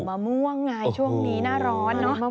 เข้าเหนียวมะม่วงไงช่วงนี้หน้าร้อนเนอะ